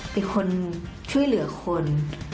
เป็นคนช่วยเหลือคน